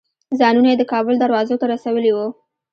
ځانونه یې د کابل دروازو ته رسولي وو.